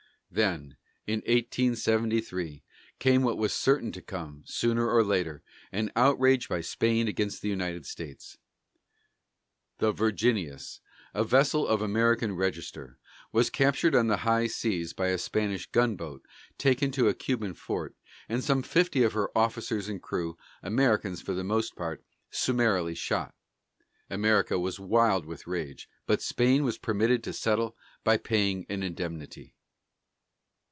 Then in 1873 came what was certain to come, sooner or later, an outrage by Spain against the United States. The Virginius, a vessel of American register, was captured on the high seas by a Spanish gunboat, taken to a Cuban port, and some fifty of her officers and crew, Americans for the most part, summarily shot. America was wild with rage, but Spain was permitted to settle by paying an indemnity.